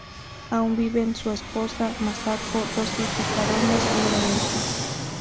Aún viven su esposa, Masako, dos hijos varones y una hija.